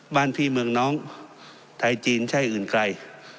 บ้านพี่เมืองน้องไทยจีนใช่อื่นไกล